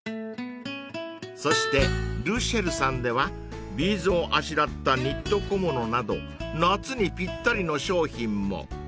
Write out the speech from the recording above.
［そしてｌｅｃｉｅｌさんではビーズをあしらったニット小物など夏にぴったりの商品も］